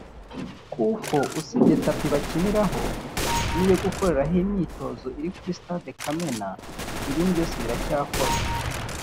kuko usibye ‘tapis’ bakiniraho n’iyo gukoreraho imyitozo (iri kuri stade Kamena) ibindi byose biracyakorwa